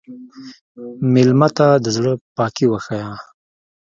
مېلمه ته د زړه پاکي وښیه.